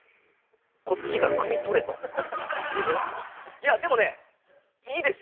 いやでもねいいですよ。